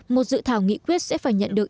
một sự thảo nghị quyết sẽ phải nhận được